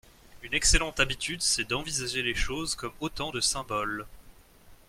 Une excellente habitude c'est d'envisager les choses comme autant de symboles.